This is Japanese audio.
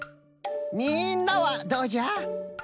みんなはどうじゃ？